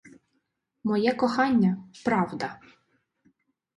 Моє кохання — правда!